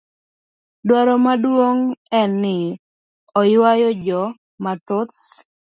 Dwaro maduong' en ni oywayo jo mathoth.